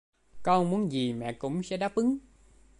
Con muốn gì mẹ cũng sẽ đáp ứng